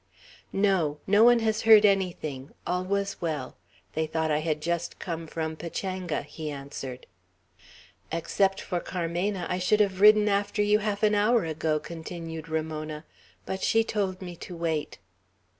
"No! No one has heard anything. All was well. They thought I had just come from Pachanga," he answered. "Except for Carmena, I should have ridden after you half an hour ago," continued Ramona. "But she told me to wait."